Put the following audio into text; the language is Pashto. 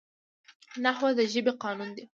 نحوه د ژبي قانون دئ.